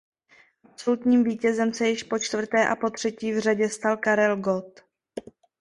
Absolutním vítězem se již po čtvrté a potřetí v řadě stal Karel Gott.